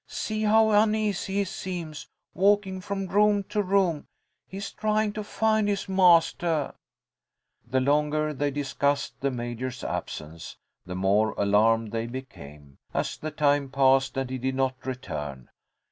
"See how uneasy he seems, walking from room to room. He is trying to find his mastah." The longer they discussed the Major's absence the more alarmed they became, as the time passed and he did not return.